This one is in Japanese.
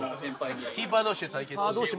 キーパー同士で対決っていう。